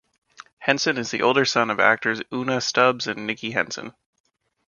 Henson is the older son of actors Una Stubbs and Nicky Henson.